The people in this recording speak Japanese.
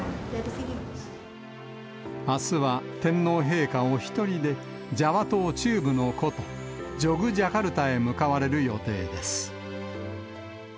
あすは天皇陛下お１人で、ジャワ島中部の古都、ジョグジャカルタへ向かわれる予定です。